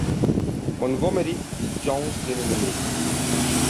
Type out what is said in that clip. Montgomery y Jones tienen un hijo.